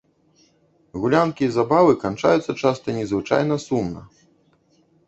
Гулянкі і забавы канчаюцца часта незвычайна сумна.